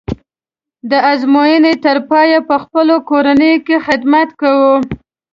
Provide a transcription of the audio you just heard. د ازموینې تر پایه یې په خپلو کورونو کې خدمت کوو.